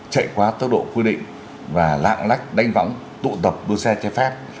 chạy quá tốc độ quy định và lạng lách đánh võng tụ tập đua xe trái phép